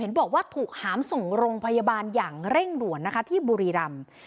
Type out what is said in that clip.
บอกว่าถูกหามส่งโรงพยาบาลอย่างเร่งด่วนนะคะที่บุรีรำ